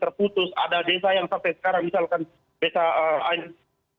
memang banyak akses jalan yang terputus ada desa yang sampai sekarang misalkan desa ain mana itu memang